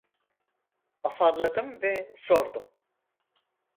Afalladım ve sordum: